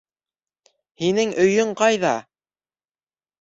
Һинең өйөң ҡайҙа?